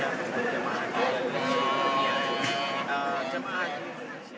untuk melaksanakan jumroh